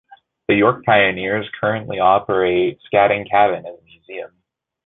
The York Pioneers currently operate Scadding Cabin as a museum.